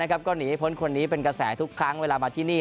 ก็หนีพ้นคนนี้เป็นกระแสทุกครั้งเวลามาที่นี่